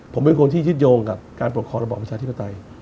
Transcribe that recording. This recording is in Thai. ผมเป็นคนที่ยึดยงกับปล่วงขอระบบประชาธิปรตัย